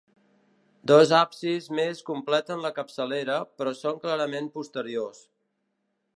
Dos absis més completen la capçalera, però són clarament posteriors.